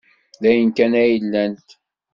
D ayen kan ay lant.